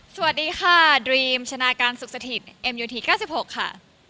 สวัสดีค่ะดรีมชนะการสุขสถิตเอ็มยูที๙๖ค่ะ